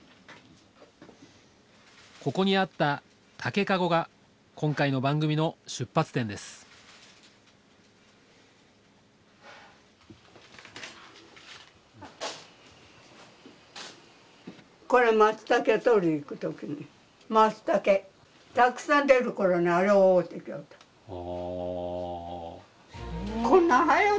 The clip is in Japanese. ここにあった竹カゴが今回の番組の出発点ですあ。